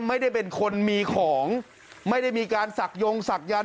ไม่ได้เป็นคนมีของไม่ได้มีการศักยงศักยันต